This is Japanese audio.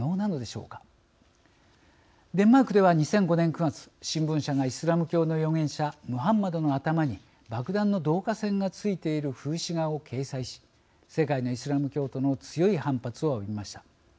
デンマークでは２００５年９月新聞社がイスラム教の預言者ムハンマドの頭に爆弾の導火線がついている風刺画を掲載し世界のイスラム教徒の強い反発を浴びました。